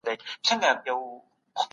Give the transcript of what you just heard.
کورنۍ به بریا وویني.